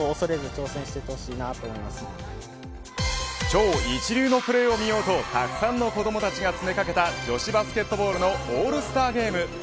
超一流のプレーを見ようとたくさんの子どもたちが詰め掛けた女子バスケットボールのオールスターゲーム。